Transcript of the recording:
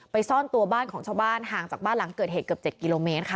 ซ่อนตัวบ้านของชาวบ้านห่างจากบ้านหลังเกิดเหตุเกือบ๗กิโลเมตรค่ะ